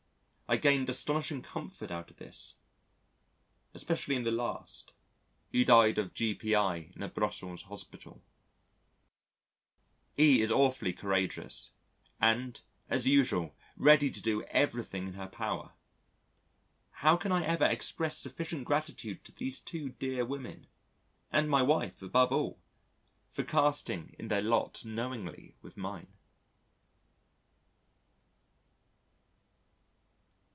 I gained astonishing comfort out of this, especially in the last ... who died of G.P.I. in a Brussels Hospital. E is awfully courageous and, as usual ready to do everything in her power. How can I ever express sufficient gratitude to these two dear women (and my wife, above all) for casting in their lot knowingly with mine?